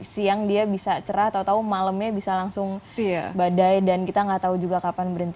siang dia bisa cerah tau tau malemnya bisa langsung badai dan kita gak tahu juga kapan berhenti